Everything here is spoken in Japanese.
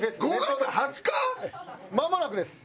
まもなくです。